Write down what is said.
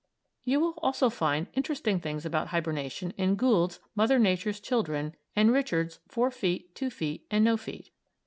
You will also find interesting things about hibernation in Gould's "Mother Nature's Children" and Richard's "Four Feet, Two Feet and No Feet."